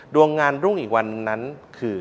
ดวงงานรุ่งอีกวันนั้นคือ